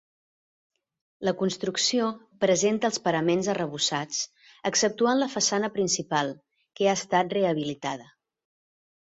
La construcció presenta els paraments arrebossats exceptuant la façana principal, que ha estat rehabilitada.